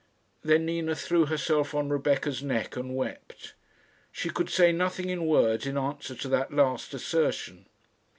Then Nina threw herself on Rebecca's neck and wept. She could say nothing in words in answer to that last assertion.